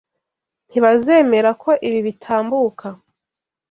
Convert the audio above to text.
Ntibazemera ko ibi bitambuka.